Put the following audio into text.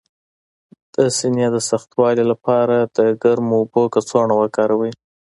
د سینې د سختوالي لپاره د ګرمو اوبو کڅوړه وکاروئ